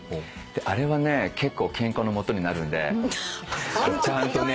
あれはね結構ケンカのもとになるんでちゃんとね